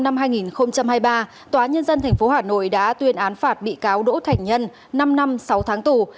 tòa nhân dân tp hà nội đã tuyên án phạt bị cáo đỗ thành nhân năm năm sáu tháng tù